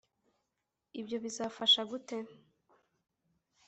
ibyo bizafasha gute?